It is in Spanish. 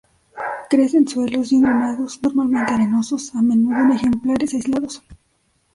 Crece en suelos bien drenados, normalmente arenosos, a menudo en ejemplares aislados.